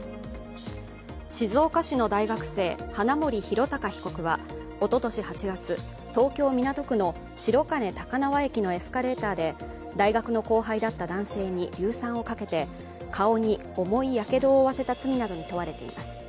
静岡市の大学生、花森弘卓被告はおととし８月、東京・港区の白金高輪駅のエスカレーターで大学の後輩だった男性に硫酸をかけて顔に重いやけどを負わせた罪などに問われています。